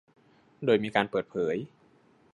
โดยมีการเปิดเผย